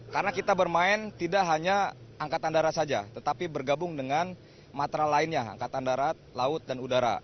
karena kita bermain tidak hanya angkatan darat saja tetapi bergabung dengan matra lainnya angkatan darat laut dan udara